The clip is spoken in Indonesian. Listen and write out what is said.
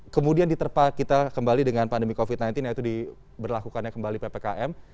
kemudian diterpak kita kembali dengan pandemi covid sembilan belas yaitu di berlakukannya kembali ppkm